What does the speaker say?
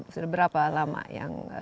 sudah berapa lama yang